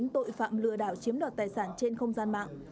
tội phạm lừa đảo chiếm đoạt tài sản trên không gian mạng